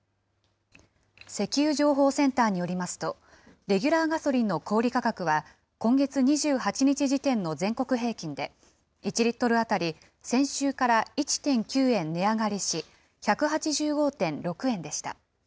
石油情報センターによりますと、レギュラーガソリンの小売り価格は、今月２８日時点の全国平均で、１リットル当たり先週から１．９円値上がりし、１８５．６円でした。